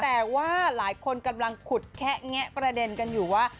แต่ว่าหลายคนกำลังขุดแคะแงะประเด็นกันอยู่ว่า